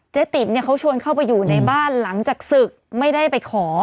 ติ๋มเนี่ยเขาชวนเข้าไปอยู่ในบ้านหลังจากศึกไม่ได้ไปขอ